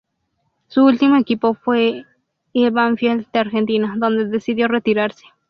Su último equipo fue el Banfield de Argentina, donde decidió retirarse.